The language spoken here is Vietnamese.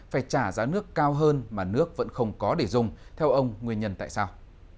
phải trả giá nước cao hơn mà nước vẫn không có để dùng theo ông nguyên nhân tại sao